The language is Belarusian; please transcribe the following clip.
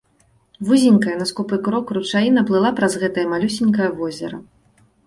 Вузенькая, на скупы крок, ручаіна плыла праз гэтае малюсенькае возера.